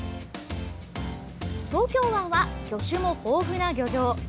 東京湾は魚種も豊富な漁場。